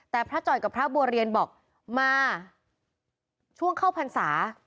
แต่พระจ่อยกับพระบัวเรียนบอกมาช่วงเข้าพรรษา